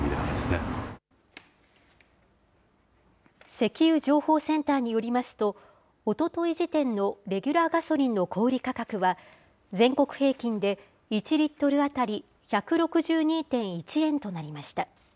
石油情報センターによりますと、おととい時点のレギュラーガソリンの小売り価格は、全国平均で１リットル当たり１６２．１円となりました。